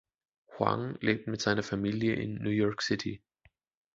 Hwang lebt mit seiner Familie in New York City.